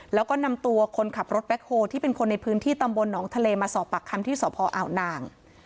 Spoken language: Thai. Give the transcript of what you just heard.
แล้วก็นำตัวคนขับรถแบ็คโฮลที่เป็นคนในพื้นที่ตำบลหนองทะเลมาสอบปากคำที่สพอ่าวนาง